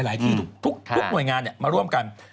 ที่ทุกหน่วยงานมาร่วมกัน